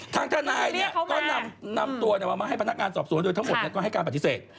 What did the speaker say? ทางทนายก็นำตัวมาให้พนักงานสอบสวนโดยทั้งหมดก็ให้การปฏิเสธ